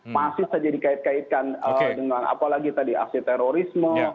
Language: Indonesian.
masih saja dikait kaitkan dengan apalagi tadi aksi terorisme